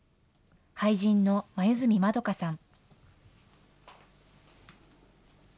俳人の黛まどかさん。